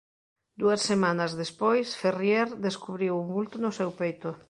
Dúas semanas despois Ferrier descubriu un vulto no seu peito.